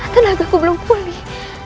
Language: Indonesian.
tenagaku belum pulih